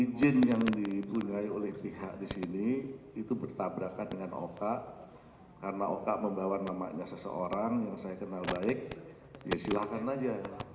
izin yang dipunyai oleh pihak di sini itu bertabrakan dengan oka karena oka membawa namanya seseorang yang saya kenal baik ya silahkan aja